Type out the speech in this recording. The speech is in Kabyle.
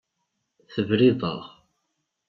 Tebriḍ-aɣ.